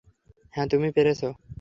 হ্যাঁ, তুমি পেরেছ।